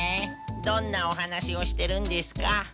どんなおはなしをしてるんですか？